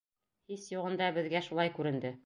Һис юғында, беҙгә шулай күренде.